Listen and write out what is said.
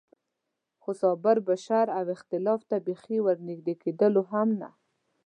خو صابر به شر او اختلاف ته بېخي ور نږدې کېدلو هم نه.